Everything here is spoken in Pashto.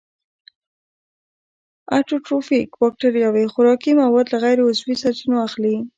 اټوټروفیک باکتریاوې خوراکي مواد له غیر عضوي سرچینو اخلي.